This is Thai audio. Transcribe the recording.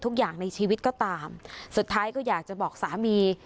ในชีวิตก็ตามสุดท้ายก็อยากจะบอกสามี